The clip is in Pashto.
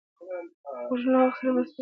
غوږونه له حق سره مرسته کوي